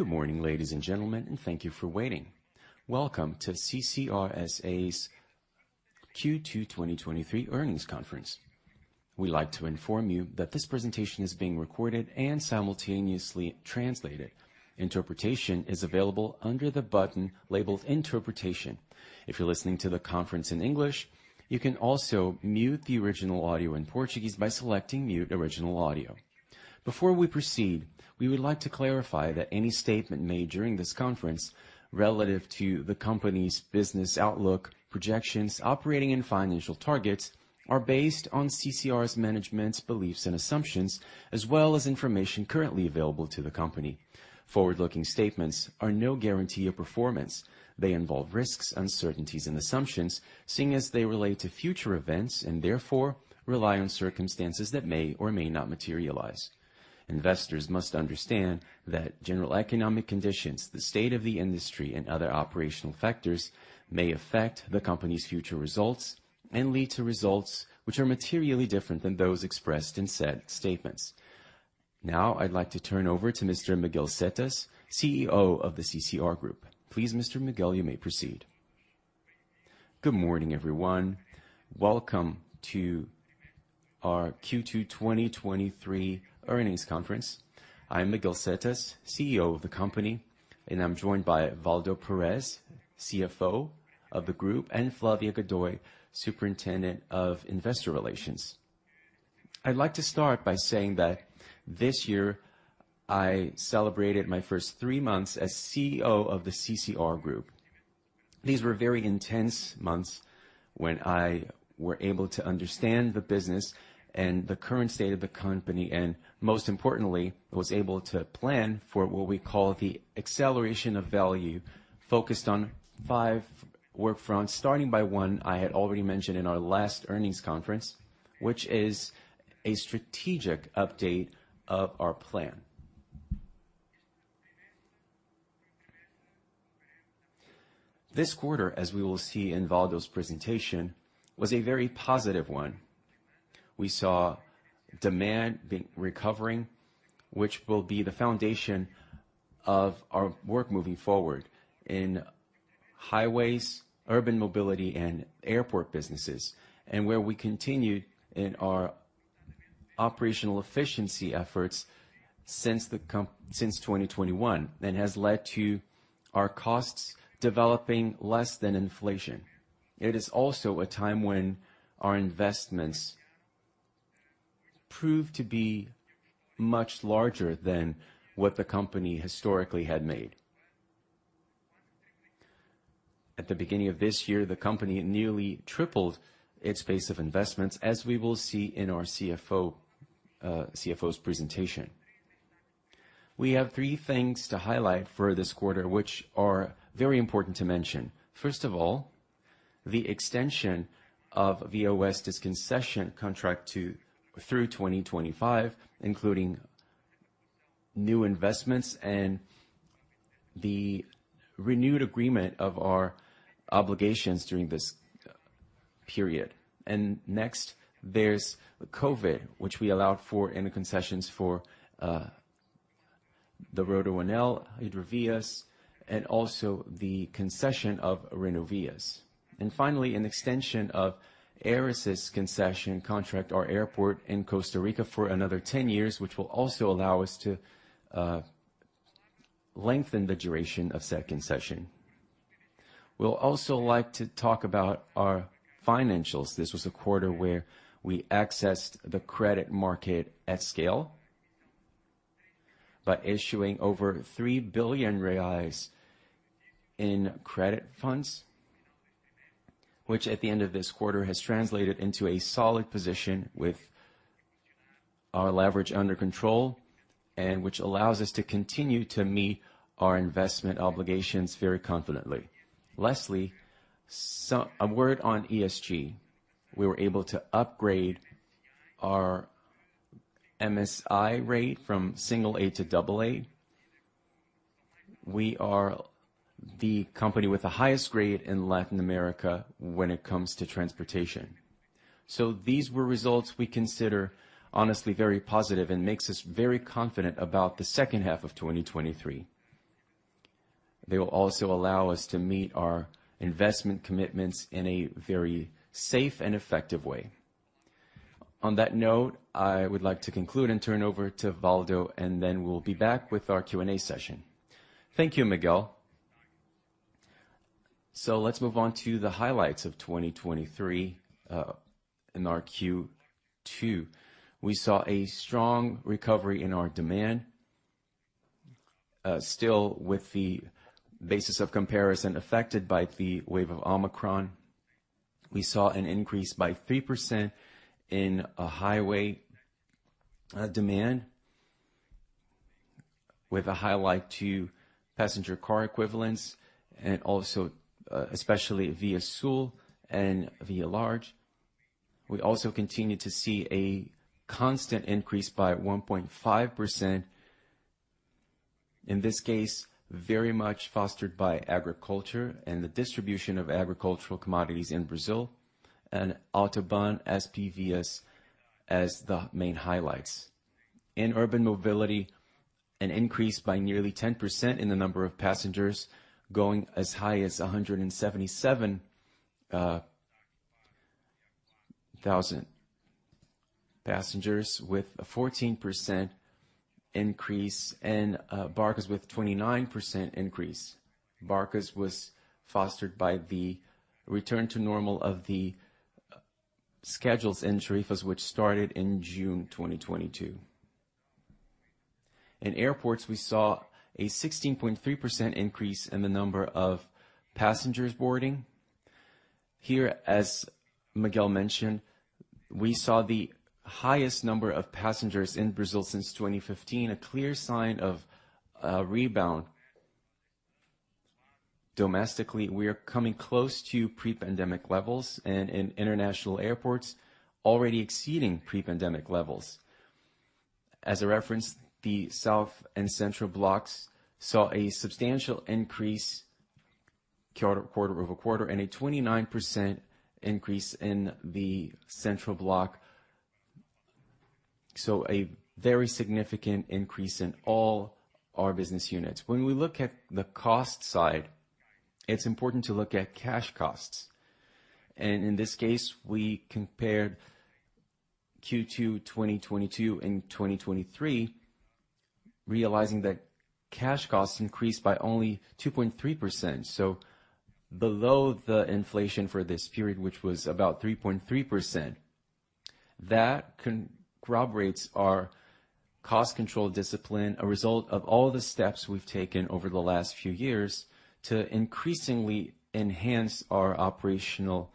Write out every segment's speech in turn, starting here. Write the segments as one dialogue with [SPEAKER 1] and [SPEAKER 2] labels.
[SPEAKER 1] Good morning, ladies and gentlemen, and thank you for waiting. Welcome to CCR S.A.'s Q2 2023 earnings conference. We'd like to inform you that this presentation is being recorded and simultaneously translated. Interpretation is available under the button labeled Interpretation. If you're listening to the conference in English, you can also mute the original audio in Portuguese by selecting Mute Original Audio. Before we proceed, we would like to clarify that any statement made during this conference relative to the company's business outlook, projections, operating and financial targets, are based on CCRs' management's beliefs and assumptions, as well as information currently available to the company. Forward-looking statements are no guarantee of performance. They involve risks, uncertainties, and assumptions, seeing as they relate to future events, and therefore rely on circumstances that may or may not materialize. Investors must understand that general economic conditions, the state of the industry, and other operational factors may affect the company's future results and lead to results which are materially different than those expressed in said statements. Now, I'd like to turn over to Mr. Miguel Setas, CEO of the CCR Group. Please, Mr. Miguel, you may proceed.
[SPEAKER 2] Good morning, everyone. Welcome to our Q2 2023 earnings conference. I'm Miguel Setas, CEO of the company, and I'm joined by Waldo Perez, CFO of the group, and Flávia Godoy, Superintendent of Investor Relations. I'd like to start by saying that this year I celebrated my first three months as CEO of the CCR Group. These were very intense months when I were able to understand the business and the current state of the company, and most importantly, was able to plan for what we call the acceleration of value, focused on five work fronts, starting by one I had already mentioned in our last earnings conference, which is a strategic update of our plan. This quarter, as we will see in Waldo's presentation, was a very positive one. We saw demand recovering, which will be the foundation of our work moving forward in highways, urban mobility, and airport businesses, and where we continued in our operational efficiency efforts since 2021, and has led to our costs developing less than inflation. It is also a time when our investments proved to be much larger than what the company historically had made. At the beginning of this year, the company nearly tripled its pace of investments, as we will see in our CFO's presentation. We have three things to highlight for this quarter, which are very important to mention. First of all, the extension of ViaOeste's concession contract to through 2025, including new investments and the renewed agreement of our obligations during this period. Next, there's COVID, which we allowed for in the concessions for the Rodoanel, Hidrovias, and also the concession of Renovias. Finally, an extension of Aeris' concession contract, our airport in Costa Rica, for another 10 years, which will also allow us to lengthen the duration of that concession. We'll also like to talk about our financials. This was a quarter where we accessed the credit market at scale by issuing over 3 billion reais in credit funds, which at the end of this quarter, has translated into a solid position with our leverage under control, and which allows us to continue to meet our investment obligations very confidently. Lastly, a word on ESG. We were able to upgrade our MSCI rate from A to AA. We are the company with the highest grade in Latin America when it comes to transportation. These were results we consider honestly, very positive and makes us very confident about the second half of 2023. They will also allow us to meet our investment commitments in a very safe and effective way. On that note, I would like to conclude and turn over to Waldo, and then we'll be back with our Q&A session.
[SPEAKER 3] Thank you, Miguel. Let's move on to the highlights of 2023. In our Q2, we saw a strong recovery in our demand. Still, with the basis of comparison affected by the wave of Omicron, we saw an increase by 3% in a highway demand, with a highlight to passenger car equivalents and also, especially Via Sul and [Via Large]. We also continued to see a constant increase by 1.5%, in this case, very much fostered by agriculture and the distribution of agricultural commodities in Brazil. and AutoBAn, SPVias as the main highlights. In urban mobility, an increase by nearly 10% in the number of passengers, going as high as 177,000 passengers, with a 14% increase in Barcas, with 29% increase. Barcas was fostered by the return to normal of the schedules in Tarifas, which started in June 2022. In airports, we saw a 16.3% increase in the number of passengers boarding. Here, as Miguel mentioned, we saw the highest number of passengers in Brazil since 2015, a clear sign of a rebound. Domestically, we are coming close to pre-pandemic levels, and in international airports, already exceeding pre-pandemic levels. As a reference, the South and Central blocks saw a substantial increase quarter-over-quarter and a 29% increase in the Central block. A very significant increase in all our business units. When we look at the cost side, it's important to look at cash costs. In this case, we compared Q2 2022 and 2023, realizing that cash costs increased by only 2.3%, so below the inflation for this period, which was about 3.3%. That corroborates our cost control discipline, a result of all the steps we've taken over the last few years to increasingly enhance our operational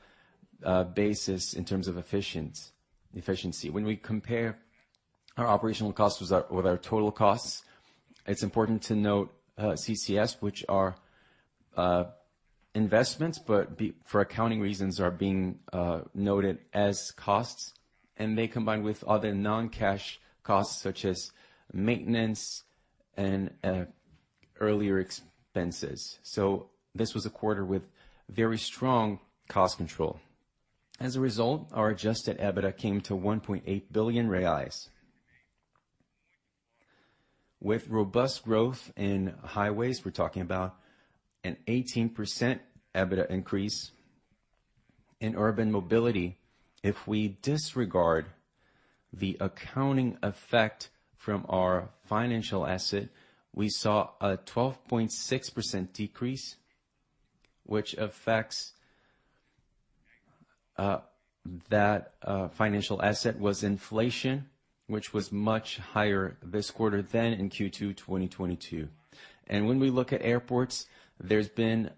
[SPEAKER 3] basis in terms of efficiency. When we compare our operational costs with our total costs, it's important to note CCS, which are investments, but for accounting reasons, are being noted as costs, and they combine with other non-cash costs, such as maintenance and earlier expenses. This was a quarter with very strong cost control. As a result, our adjusted EBITDA came to 1.8 billion reais. With robust growth in highways, we're talking about an 18% EBITDA increase. In urban mobility, if we disregard the accounting effect from our financial asset, we saw a 12.6% decrease, which affects, that financial asset, was inflation, which was much higher this quarter than in Q2 2022. When we look at airports, there's been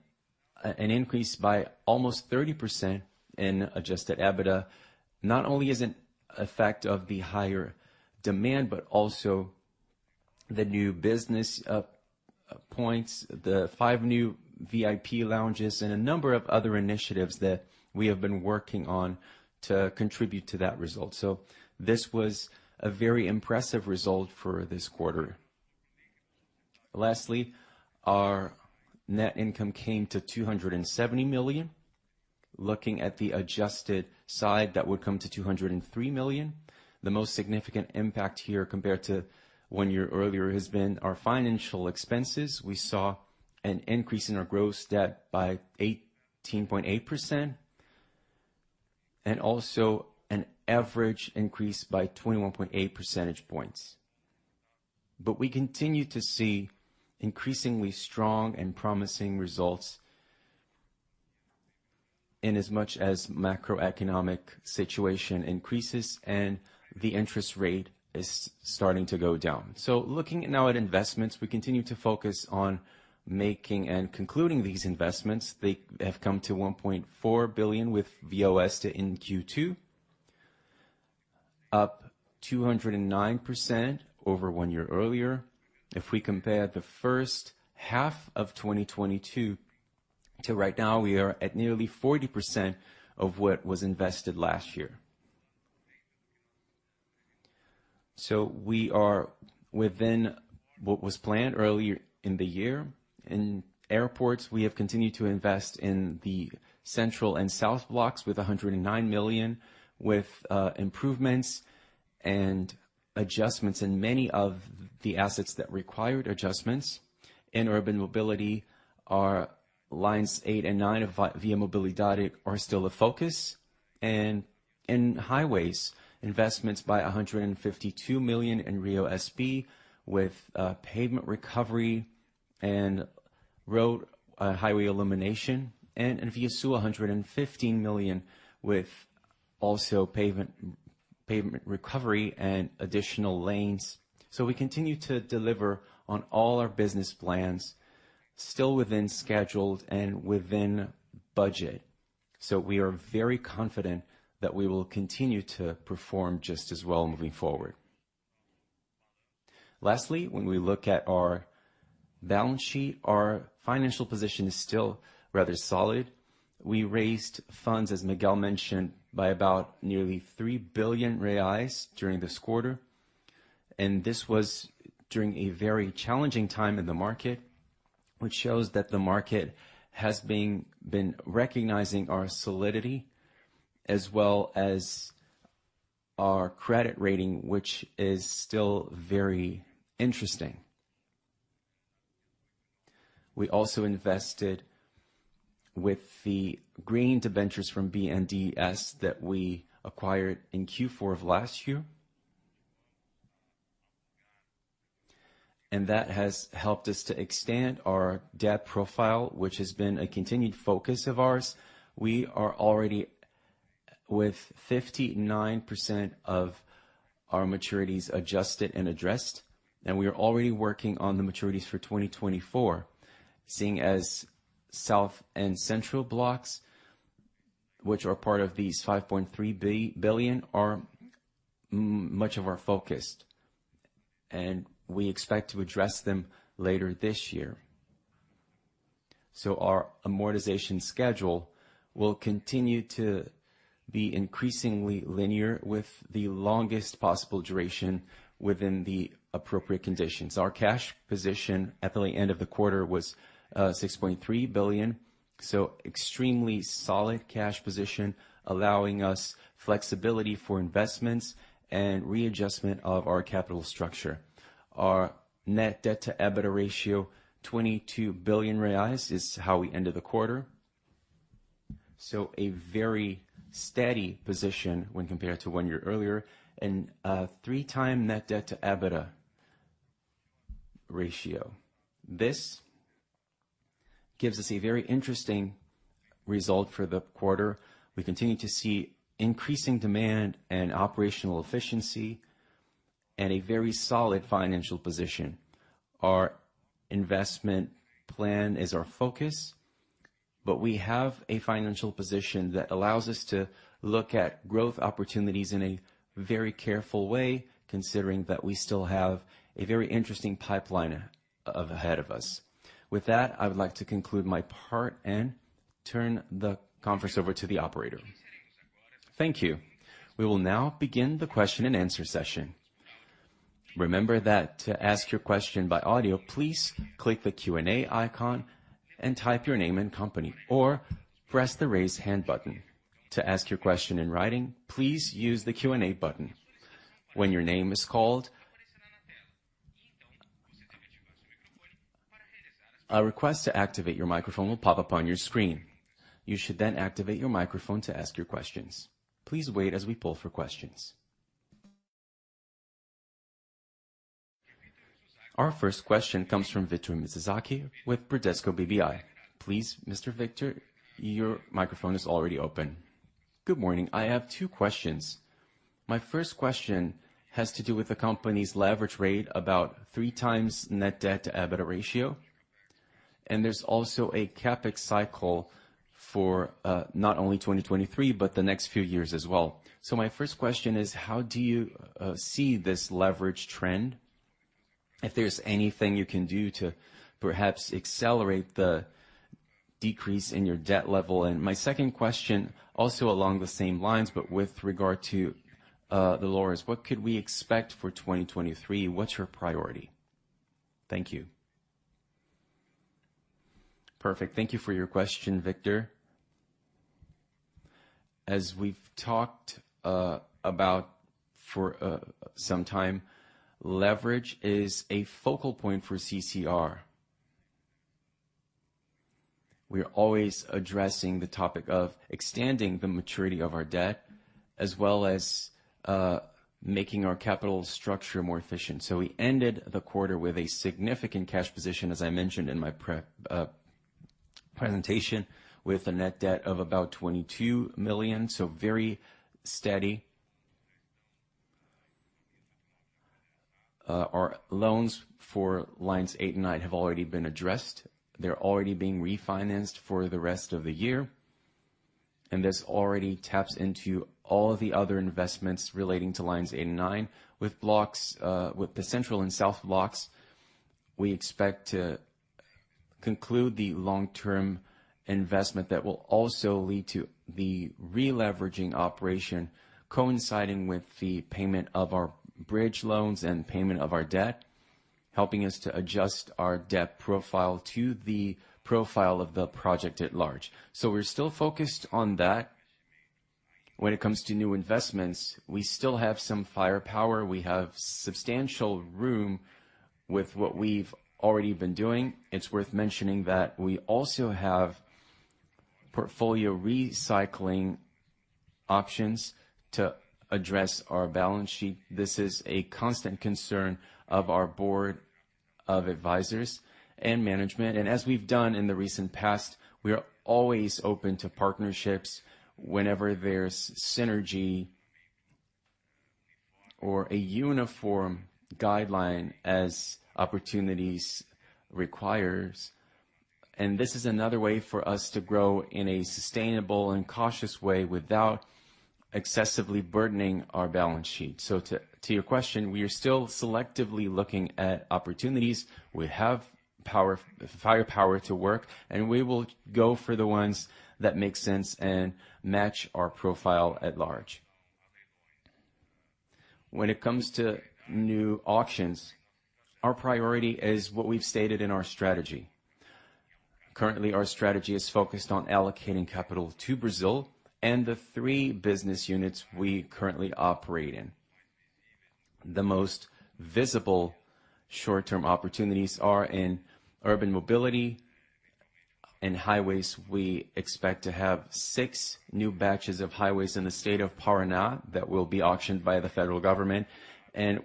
[SPEAKER 3] an increase by almost 30% in adjusted EBITDA. Not only is it effect of the higher demand, but also the new business points, the five new VIP lounges, and a number of other initiatives that we have been working on to contribute to that result. This was a very impressive result for this quarter. Lastly, our net income came to 270 million. Looking at the adjusted side, that would come to 203 million. The most significant impact here, compared to one year earlier, has been our financial expenses. We saw an increase in our gross debt by 18.8%, and also an average increase by 21.8 percentage points. We continue to see increasingly strong and promising results in as much as macroeconomic situation increases and the interest rate is starting to go down. Looking now at investments, we continue to focus on making and concluding these investments. They have come to 1.4 billion with [ViaOeste] in Q2, up 209% over one year earlier. If we compare the first half of 2022 to right now, we are at nearly 40% of what was invested last year. We are within what was planned earlier in the year. In airports, we have continued to invest in the central and south blocs with 109 million, with improvements and adjustments in many of the assets that required adjustments. In urban mobility, our lines eight and nine of ViaMobilidade are still a focus, and in highways, investments by 152 million in RioSP, with pavement recovery and road highway illumination, and in Via Sul, 115 million, with also pavement, pavement recovery and additional lanes. We continue to deliver on all our business plans, still within schedule and within budget. We are very confident that we will continue to perform just as well moving forward. Lastly, when we look at our balance sheet, our financial position is still rather solid. We raised funds, as Miguel mentioned, by about nearly 3 billion reais during this quarter. This was during a very challenging time in the market, which shows that the market has been recognizing our solidity as well as our credit rating, which is still very interesting. We also invested with the green debentures from BNDES that we acquired in Q4 of last year. That has helped us to extend our debt profile, which has been a continued focus of ours. We are already with 59% of our maturities adjusted and addressed, and we are already working on the maturities for 2024, seeing as South and Central blocks, which are part of these 5.3 billion, are much of our focus, and we expect to address them later this year. Our amortization schedule will continue to be increasingly linear, with the longest possible duration within the appropriate conditions. Our cash position at the end of the quarter was 6.3 billion, so extremely solid cash position, allowing us flexibility for investments and readjustment of our capital structure. Our net debt to EBITDA ratio, 22 billion reais, is how we ended the quarter. A very steady position when compared to one year earlier and a 3x net debt to EBITDA ratio. This gives us a very interesting result for the quarter. We continue to see increasing demand and operational efficiency and a very solid financial position. Our investment plan is our focus, but we have a financial position that allows us to look at growth opportunities in a very careful way, considering that we still have a very interesting pipeline ahead of us. With that, I would like to conclude my part and turn the conference over to the operator.
[SPEAKER 1] Thank you. We will now begin the question and answer session. Remember that to ask your question by audio, please click the Q&A icon and type your name and company, or press the Raise Hand button. To ask your question in writing, please use the Q&A button. When your name is called, a request to activate your microphone will pop up on your screen. You should then activate your microphone to ask your questions. Please wait as we poll for questions. Our first question comes from Victor Mizusaki with Bradesco BBI. Please, Mr. Victor, your microphone is already open.
[SPEAKER 4] Good morning. I have two questions. My first question has to do with the company's leverage rate, about 3x net debt to EBITDA ratio, and there's also a CapEx cycle for not only 2023, but the next few years as well. My first question is: How do you see this leverage trend, if there's anything you can do to perhaps accelerate the decrease in your debt level? My second question, also along the same lines, but with regard to the lowers, what could we expect for 2023? What's your priority? Thank you.
[SPEAKER 2] Perfect. Thank you for your question, Victor. As we've talked about for some time, leverage is a focal point for CCR. We are always addressing the topic of extending the maturity of our debt, as well as making our capital structure more efficient.
[SPEAKER 3] We ended the quarter with a significant cash position, as I mentioned in my pre presentation, with a net debt of about 22 million, so very steady. Our loans for Lines 8 and 9 have already been addressed. They're already being refinanced for the rest of the year, and this already taps into all the other investments relating to Lines 8 and 9. With blocks, with the Central and South blocks, we expect to conclude the long-term investment that will also lead to the releveraging operation, coinciding with the payment of our bridge loans and payment of our debt, helping us to adjust our debt profile to the profile of the project at large. We're still focused on that. When it comes to new investments, we still have some firepower. We have substantial room with what we've already been doing. It's worth mentioning that we also have portfolio recycling options to address our balance sheet. This is a constant concern of our board of advisors and management, and as we've done in the recent past, we are always open to partnerships whenever there's synergy or a uniform guideline as opportunities requires. This is another way for us to grow in a sustainable and cautious way without excessively burdening our balance sheet. To your question, we are still selectively looking at opportunities. We have firepower to work, and we will go for the ones that make sense and match our profile at large. When it comes to new auctions, our priority is what we've stated in our strategy. Currently, our strategy is focused on allocating capital to Brazil and the three business units we currently operate in. The most visible short-term opportunities are in urban mobility and highways. We expect to have six new batches of highways in the state of Paraná that will be auctioned by the federal government, and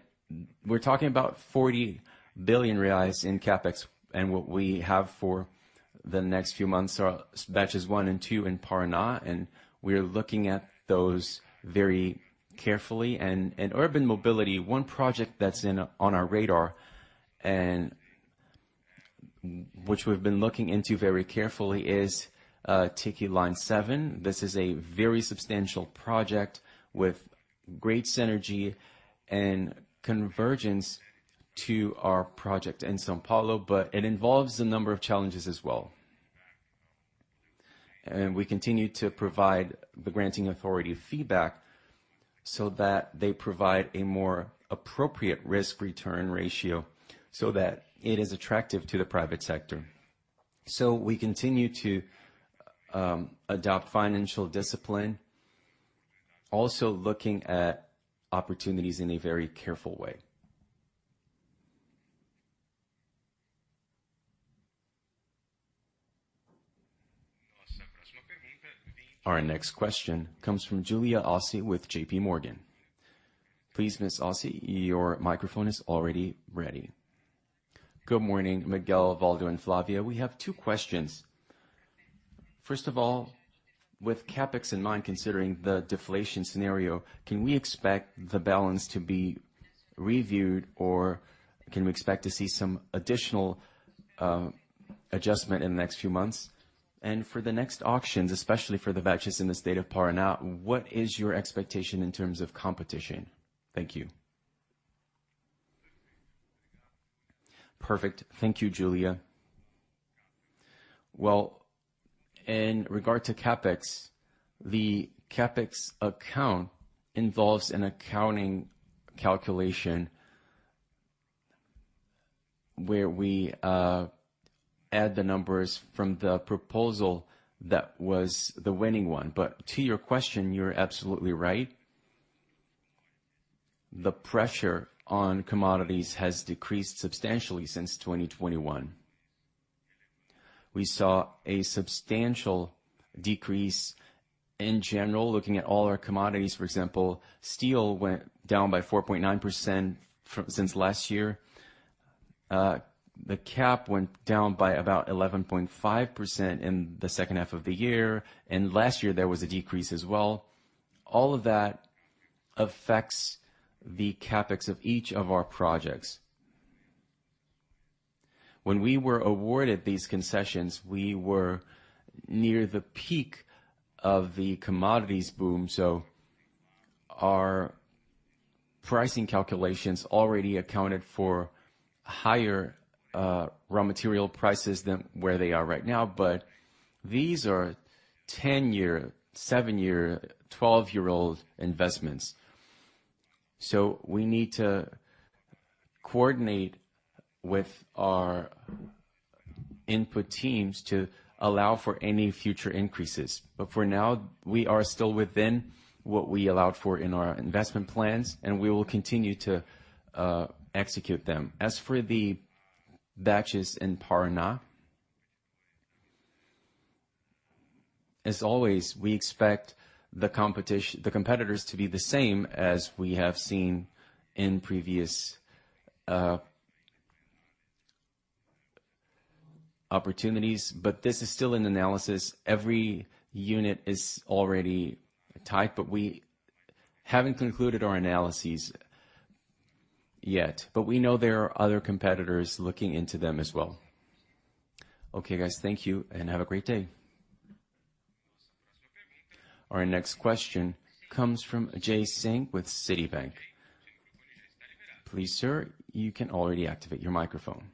[SPEAKER 3] we're talking about 40 billion reais in CapEx. What we have for the next few months are batches one and two in Paraná, and we are looking at those very carefully. Urban mobility, one project that's on our radar and which we've been looking into very carefully, is TIC Line 7. This is a very substantial project with great synergy and convergence to our project in São Paulo, but it involves a number of challenges as well. We continue to provide the granting authority feedback so that they provide a more appropriate risk-return ratio so that it is attractive to the private sector. We continue to adopt financial discipline, also looking at opportunities in a very careful way.
[SPEAKER 1] Our next question comes from Julia Orsi with JPMorgan. Please, Ms. Orsi your microphone is already ready.
[SPEAKER 5] Good morning, Miguel, Waldo, and Flávia. We have two questions. First of all, with CapEx in mind, considering the deflation scenario, can we expect the balance to be reviewed, or can we expect to see some additional adjustment in the next few months? For the next auctions, especially for the batches in the state of Paraná, what is your expectation in terms of competition? Thank you.
[SPEAKER 3] Perfect. Thank you, Julia. In regard to CapEx, the CapEx account involves an accounting calculation, where we add the numbers from the proposal that was the winning one. To your question, you're absolutely right. The pressure on commodities has decreased substantially since 2021. We saw a substantial decrease in general, looking at all our commodities. For example, steel went down by 4.9% from, since last year. The cap went down by about 11.5% in the second half of the year, and last year there was a decrease as well. All of that affects the CapEx of each of our projects. When we were awarded these concessions, we were near the peak of the commodities boom, so our pricing calculations already accounted for higher, raw material prices than where they are right now. These are 10-year, seven-year, 12-year-old investments, so we need to coordinate with our input teams to allow for any future increases. For now, we are still within what we allowed for in our investment plans, and we will continue to, execute them. As for the batches in Paraná, as always, we expect the competitors to be the same as we have seen in previous opportunities. This is still an analysis. Every unit is already tied. We haven't concluded our analyses yet. We know there are other competitors looking into them as well.
[SPEAKER 5] Okay, guys, thank you. Have a great day.
[SPEAKER 1] Our next question comes from Jay Singh with Citibank. Please, sir, you can already activate your microphone.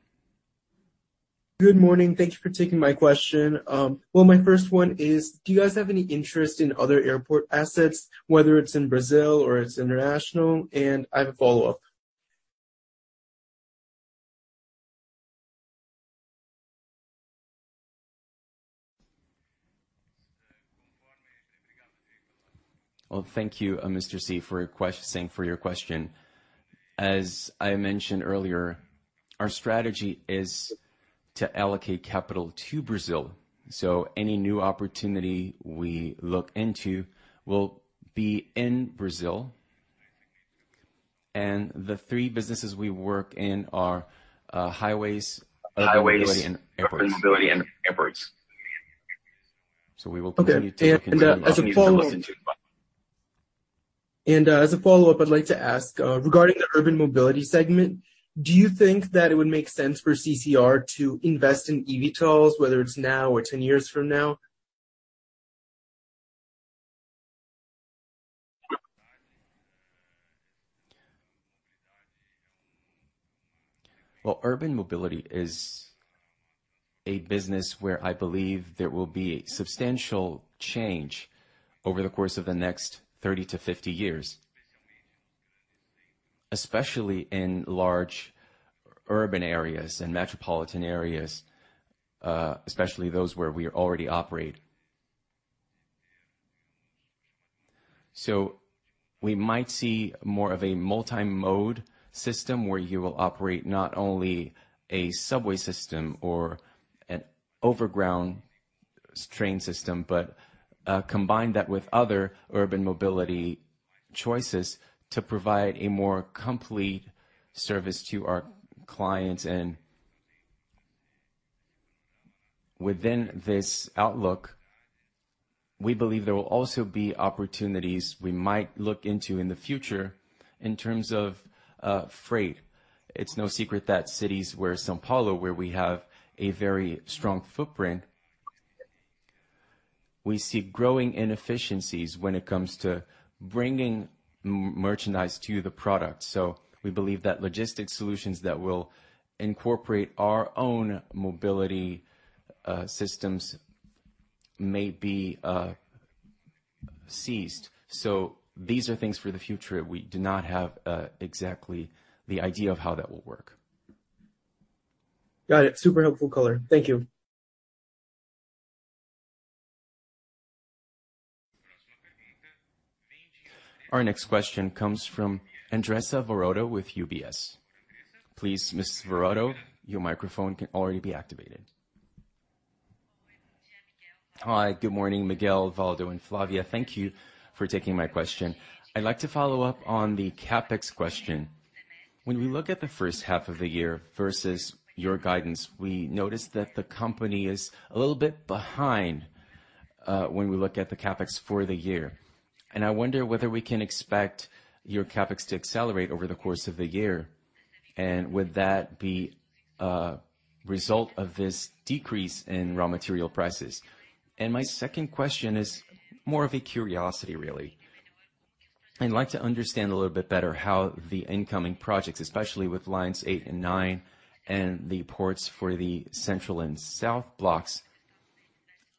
[SPEAKER 6] Good morning. Thank you for taking my question. Well, my first one is: Do you guys have any interest in other airport assets, whether it's in Brazil or it's international? I have a follow-up.
[SPEAKER 2] Well, thank you, Mr. Singh, for your question. As I mentioned earlier, our strategy is to allocate capital to Brazil, so any new opportunity we look into will be in Brazil. The three businesses we work in are highways, urban mobility and airports. We will continue to-
[SPEAKER 6] Okay. As a follow-up-
[SPEAKER 2] Listen.
[SPEAKER 6] As a follow-up, I'd like to ask, regarding the urban mobility segment, do you think that it would make sense for CCR to invest in EV tolls, whether it's now or 10 years from now?
[SPEAKER 2] Well, urban mobility is a business where I believe there will be substantial change over the course of the next 30 to 50 years, especially in large urban areas and metropolitan areas, especially those where we already operate. We might see more of a multi-mode system, where you will operate not only a subway system or an overground train system, but combine that with other urban mobility choices to provide a more complete service to our clients. Within this outlook, we believe there will also be opportunities we might look into in the future in terms of freight. It's no secret that cities São Paulo, where we have a very strong footprint, we see growing inefficiencies when it comes to bringing merchandise to the product. We believe that logistic solutions that will incorporate our own mobility systems may be seized. These are things for the future. We do not have exactly the idea of how that will work.
[SPEAKER 6] Got it. Super helpful color. Thank you.
[SPEAKER 1] Our next question comes from Andressa Varotto with UBS. Please, Ms. Varotto, your microphone can already be activated.
[SPEAKER 7] Hi, good morning, Miguel, Waldo, and Flavia. Thank you for taking my question. I'd like to follow up on the CapEx question. When we look at the first half of the year versus your guidance, we notice that the company is a little bit behind when we look at the CapEx for the year. I wonder whether we can expect your CapEx to accelerate over the course of the year, and would that be a result of this decrease in raw material prices? My second question is more of a curiosity, really. I'd like to understand a little bit better how the incoming projects, especially with Lines 8 and 9 and the ports for the central and south blocks,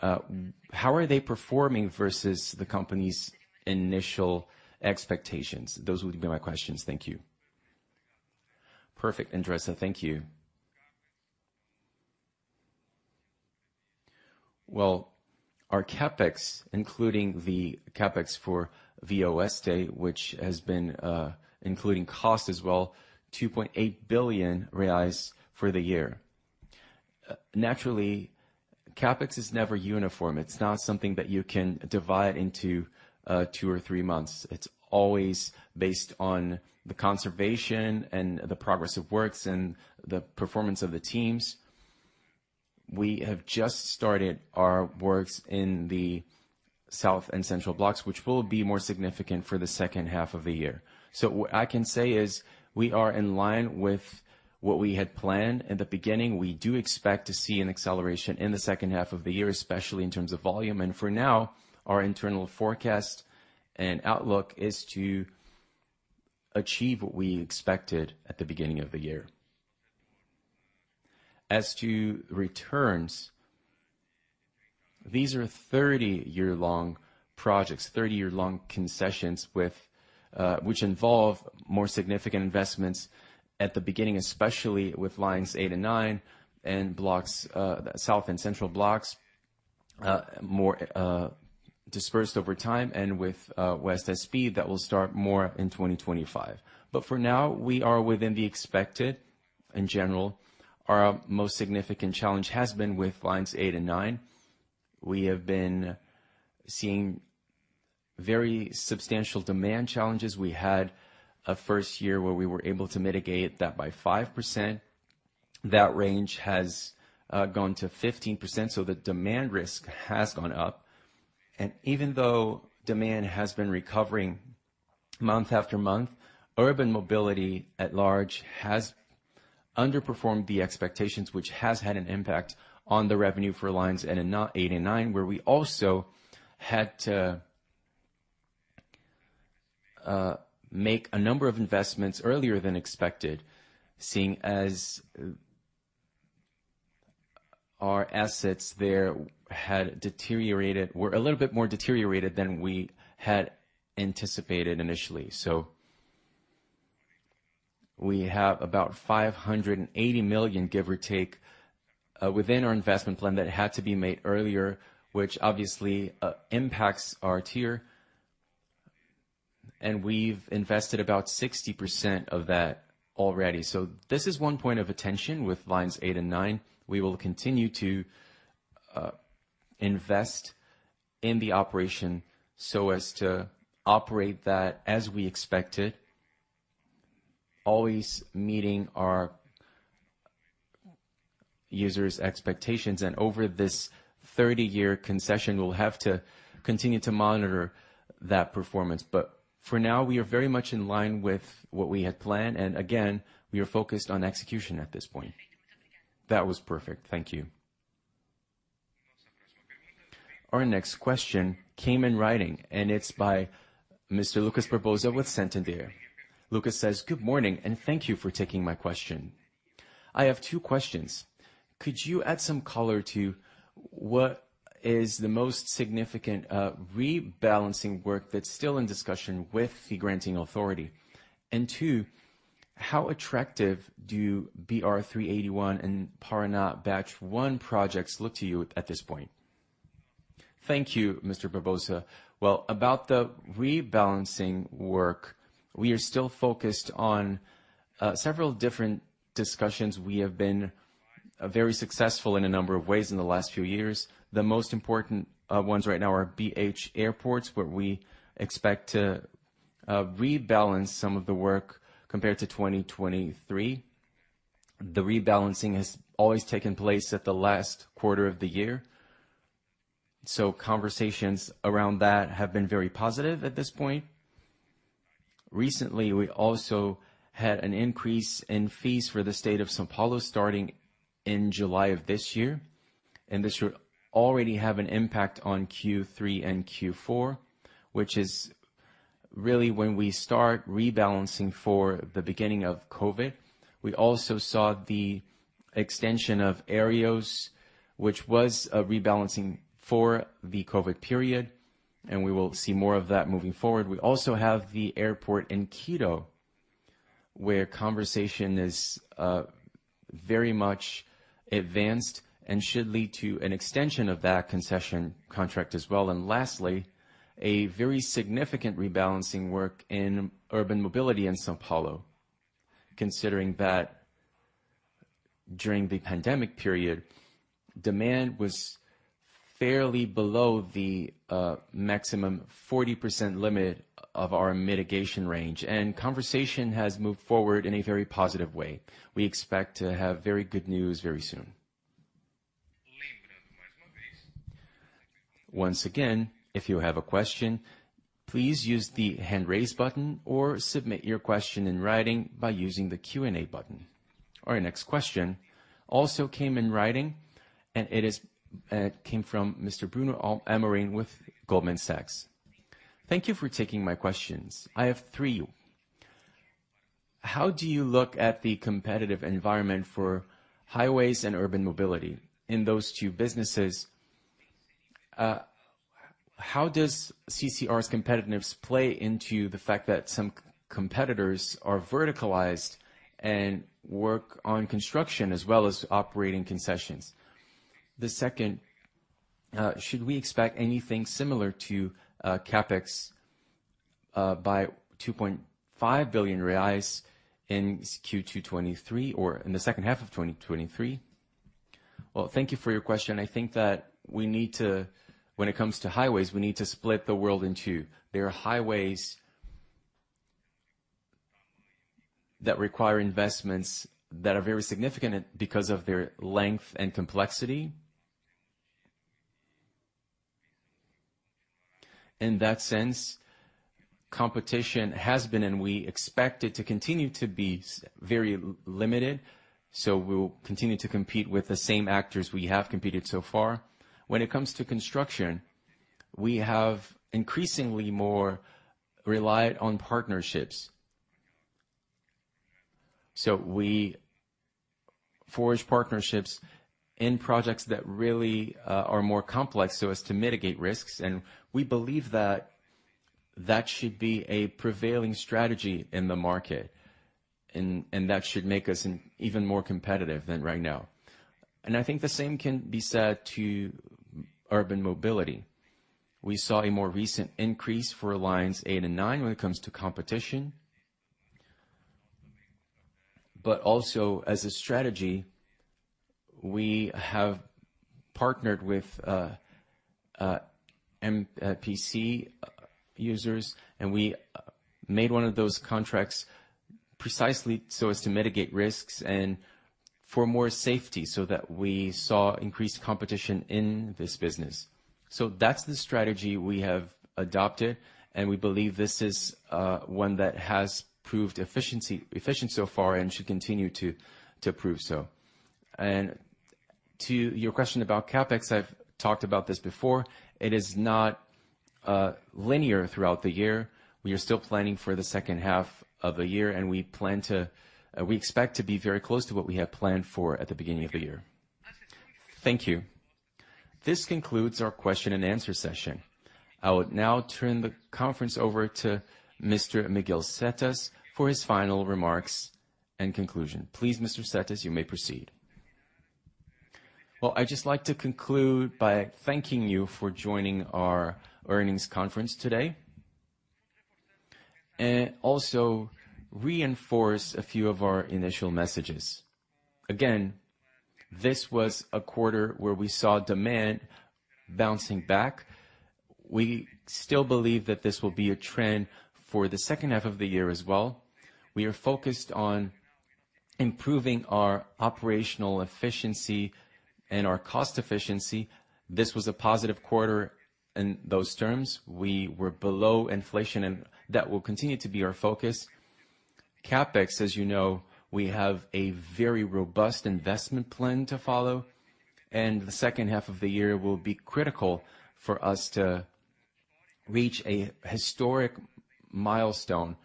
[SPEAKER 7] how are they performing versus the company's initial expectations? Those would be my questions. Thank you.
[SPEAKER 2] Perfect, Andressa Varotto. Thank you. Well, our CapEx, including the CapEx for VOS, which has been, including cost as well, R$2.8 billion for the year. Naturally, CapEx is never uniform. It's not something that you can divide into two or three months. It's always based on the conservation and the progress of works and the performance of the teams. We have just started our works in the South and Central blocks, which will be more significant for the second half of the year. What I can say is we are in line with what we had planned in the beginning. We do expect to see an acceleration in the second half of the year, especially in terms of volume, and for now, our internal forecast and outlook is to achieve what we expected at the beginning of the year. As to returns, these are 30-year-long projects, 30-year-long concessions with which involve more significant investments at the beginning, especially with Lines 8 and 9, and blocks South and Central blocks more dispersed over time and with [Oeste SP] that will start more in 2025. For now, we are within the expected. In general, our most significant challenge has been with Lines 8 and 9. We have been seeing very substantial demand challenges. We had a first year where we were able to mitigate that by 5%. That range has gone to 15%, so the demand risk has gone up. Even though demand has been recovering month after month, urban mobility at large has underperformed the expectations, which has had an impact on the revenue for Lines 8 and 9, where we also had to make a number of investments earlier than expected, seeing as our assets there had deteriorated, were a little bit more deteriorated than we had anticipated initially. We have about 580 million, give or take, within our investment plan that had to be made earlier, which obviously impacts our tier, and we've invested about 60% of that already. This is one point of attention with Lines 8 and 9. We will continue to invest in the operation so as to operate that as we expected, always meeting our users' expectations, and over this 30-year concession, we'll have to continue to monitor that performance. For now, we are very much in line with what we had planned, and again, we are focused on execution at this point.
[SPEAKER 7] That was perfect. Thank you.
[SPEAKER 1] Our next question came in writing, and it's by Mr. Lucas Barbosa with Santander. Lucas says: Good morning, and thank you for taking my question. I have two questions. Could you add some color to what is the most significant rebalancing work that's still in discussion with the granting authority? Two, how attractive do BR-381 and Paraná Lot 1 projects look to you at this point?
[SPEAKER 2] Thank you, Mr. Barbosa. Well, about the rebalancing work, we are still focused on several different discussions. We have been very successful in a number of ways in the last few years. The most important ones right now are BH Airport, where we expect to rebalance some of the work compared to 2023. Conversations around that have been very positive at this point. Recently, we also had an increase in fees for the state of São Paulo, starting in July of this year, and this should already have an impact on Q3 and Q4, which is really when we start rebalancing for the beginning of COVID. We also saw the extension of Aeris, which was a rebalancing for the COVID period, and we will see more of that moving forward. We also have the airport in Quito, where conversation is very much advanced and should lead to an extension of that concession contract as well. Lastly, a very significant rebalancing work in urban mobility in São Paulo, considering that during the pandemic period, demand was fairly below the maximum 40% limit of our mitigation range, conversation has moved forward in a very positive way. We expect to have very good news very soon.
[SPEAKER 1] Once again, if you have a question, please use the hand raise button or submit your question in writing by using the Q&A button. Our next question also came in writing, and it is came from Mr. Bruno Amorim with Goldman Sachs.
[SPEAKER 8] Thank you for taking my questions. I have three. How do you look at the competitive environment for highways and urban mobility in those two businesses? How does CCR's competitiveness play into the fact that some competitors are verticalized and work on construction as well as operating concessions? The second, should we expect anything similar to CapEx by 2.5 billion reais in Q2 2023 or in the second half of 2023?
[SPEAKER 2] Well, thank you for your question. I think that we need to, when it comes to highways, we need to split the world in two. There are highways, that require investments that are very significant because of their length and complexity. In that sense, competition has been, and we expect it to continue to be, very limited, so we'll continue to compete with the same actors we have competed so far. When it comes to construction, we have increasingly more relied on partnerships. We forge partnerships in projects that really are more complex so as to mitigate risks, and we believe that that should be a prevailing strategy in the market, and, and that should make us even more competitive than right now. I think the same can be said to urban mobility. We saw a more recent increase for Lines 8 and 9 when it comes to competition. Also, as a strategy, we have partnered with [EPC] users, and we made one of those contracts precisely so as to mitigate risks and for more safety, so that we saw increased competition in this business. That's the strategy we have adopted, and we believe this is one that has proved efficiency, efficient so far and should continue to prove so. To your question about CapEx, I've talked about this before. It is not linear throughout the year. We are still planning for the second half of the year, and we plan to, we expect to be very close to what we have planned for at the beginning of the year. Thank you.
[SPEAKER 1] This concludes our question and answer session. I would now turn the conference over to Mr. Miguel Setas for his final remarks and conclusion. Please, Mr. Setas, you may proceed.
[SPEAKER 2] Well, I'd just like to conclude by thanking you for joining our earnings conference today, and also reinforce a few of our initial messages. Again, this was a quarter where we saw demand bouncing back. We still believe that this will be a trend for the second half of the year as well. We are focused on improving our operational efficiency and our cost efficiency. This was a positive quarter in those terms. We were below inflation. That will continue to be our focus. CapEx, as you know, we have a very robust investment plan to follow. The second half of the year will be critical for us to reach a historic milestone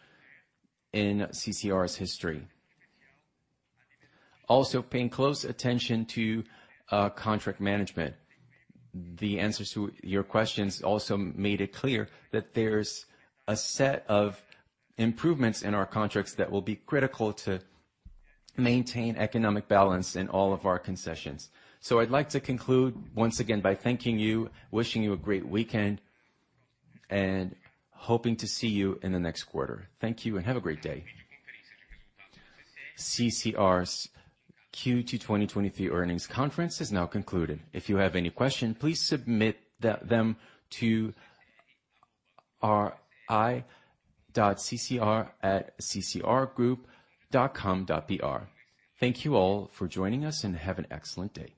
[SPEAKER 2] in CCR's history. Also, paying close attention to contract management. The answers to your questions also made it clear that there's a set of improvements in our contracts that will be critical to maintain economic balance in all of our concessions. I'd like to conclude once again by thanking you, wishing you a great weekend, and hoping to see you in the next quarter. Thank you. Have a great day.
[SPEAKER 1] CCR's Q2 2023 earnings conference is now concluded. If you have any questions, please submit them to ri.ccr@ccrgroup.com.br. Thank you all for joining us. Have an excellent day.